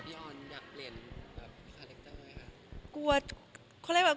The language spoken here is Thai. พี่ออนอยากเปลี่ยนเล่นกาแครคเจอร์ไงคะ